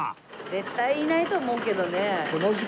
絶対いないと思うけどね。